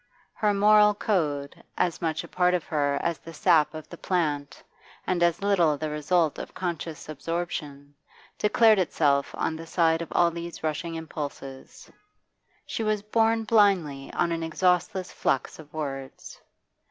Her moral code, as much a part of her as the sap of the plant and as little the result of conscious absorption, declared itself on the side of all these rushing impulses; she was borne blindly on an exhaustless flux of words.